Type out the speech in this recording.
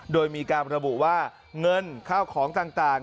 โดยมีการระบุว่าเงินข้าวของต่าง